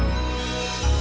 ibu pasti mau